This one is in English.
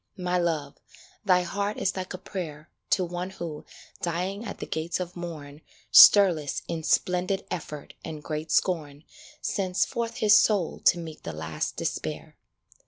My Love, thy heart is like a prayer To one who, dying at the gates of morn, Stirless, in splendid effort and great scorn, Sends forth his soul to meet the last despair.